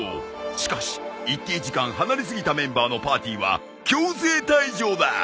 しかし一定時間離れすぎたメンバーのパーティーは強制退場だ。